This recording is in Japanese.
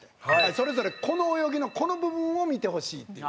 それぞれこの泳ぎのこの部分を見てほしいって。